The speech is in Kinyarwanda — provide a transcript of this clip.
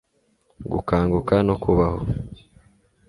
gukanguka no kubaho